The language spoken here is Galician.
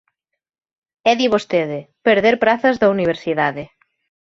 E di vostede: perder prazas da universidade.